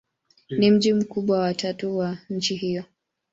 Ni mji mkubwa wa tatu wa nchi hiyo.